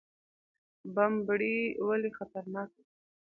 بمبړې ولې خطرناکه ده؟